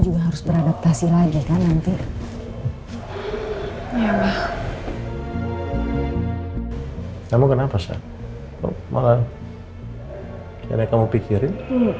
juga harus beradaptasi lagi kan nanti ya mah kamu kenapa sa mau kira kamu pikirin